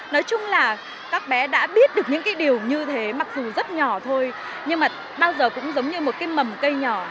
nói chung là các bé đã biết được những cái điều như thế mặc dù rất nhỏ thôi nhưng mà bao giờ cũng giống như một cái mầm cây nhỏ